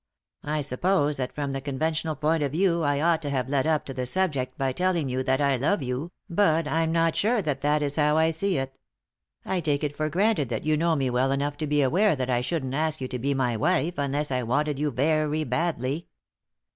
I suppose that from the conventional point of view I ought to have led up to the subject by telling you that I love you, but I'm not sure that that is how I see it. I take it for granted that you know me well enough to be aware that I shouldn't ask you to be my wife unless I wanted you very badly.